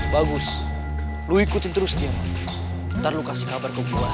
bagus lo ikutin terus dia no ntar lo kasih kabar ke gue lah dia di mana oke